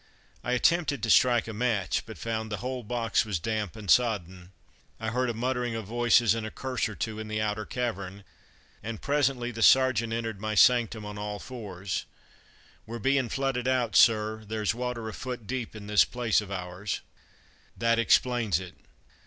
I attempted to strike a match, but found the whole box was damp and sodden. I heard a muttering of voices and a curse or two in the outer cavern, and presently the sergeant entered my sanctum on all fours: "We're bein' flooded out, sir; there's water a foot deep in this place of ours." That explains it.